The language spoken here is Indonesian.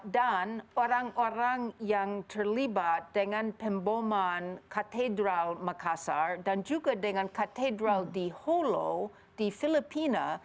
dan orang orang yang terlibat dengan pemboman katedral makassar dan juga dengan katedral di holo di filipina